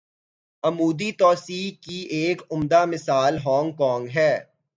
عمودی توسیع کی ایک عمدہ مثال ہانگ کانگ ہے۔